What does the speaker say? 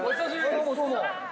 どうもどうも。